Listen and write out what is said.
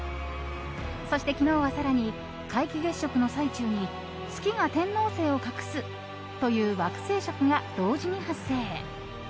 そして、昨日は更に皆既月食の最中に月が天王星を隠すという惑星食が同時に発生。